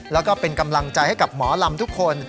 แล้วก็เป็นกำลังใจให้กับหมอลำทุกคน